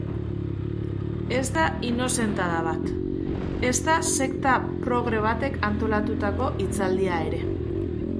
Ez da inozentada bat, ezta sekta progre batek antolatutako hitzaldia ere.